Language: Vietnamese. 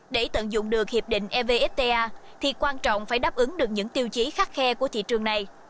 để tận dụng được hiệp định evfta thì quan trọng phải đáp ứng được những tiêu chí khắc khe của thị trường này